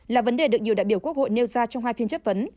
là vấn đề được nhiều đại biểu quốc hội nêu ra trong hai phiên chất vấn